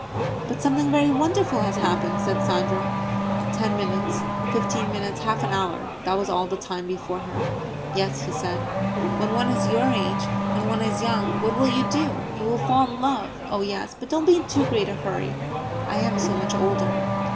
"But something very wonderful has happened," said Sandra. Ten minutes, fifteen minutes, half an hour that was all the time before her. "Yes," he said. "When one is your age when one is young. What will you do? You will fall in love oh yes! But don't be in too great a hurry. I am so much older."